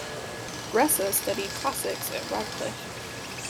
Gresser studied classics at Radcliffe.